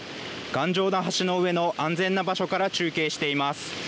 頑丈な橋の上の安全な場所から中継しています。